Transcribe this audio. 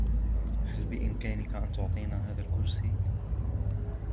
هل بإمكانك أن تعطيها هذا الكرسي ؟